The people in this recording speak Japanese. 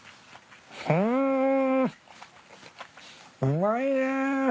うまいね。